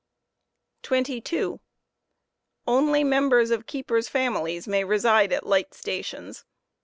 Keepers' rami* 22. Only members of keepers' families may reside at light stations.